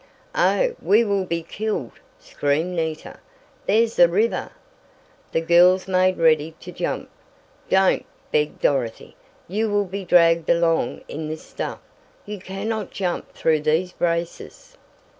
"Oh, we will be killed!" screamed Nita, "There's the river!" The girls made ready to jump. "Don't!" begged Dorothy. "You will be dragged along in this stuff. You cannot jump through these braces."